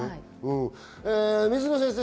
水野先生